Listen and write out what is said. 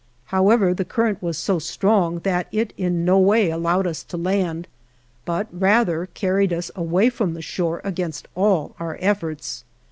However, the current was so strong that it in no way allowed us to land, but rather carried us away from the shore against all our efforts.